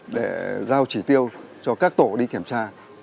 để giao chỉ tiêu cho các tổ đi kiểm tra